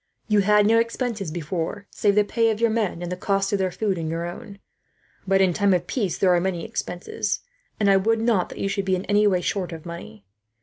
You had no expenses before, save the pay of your men, and the cost of their food and your own; but in time of peace there are many expenses, and I would not that you should be, in any way, short of money.